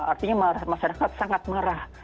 artinya masyarakat sangat marah